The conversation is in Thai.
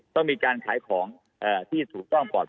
ต้องมีการขายของที่ถูกต้องปลอดภัย